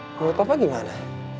menurut papa gimana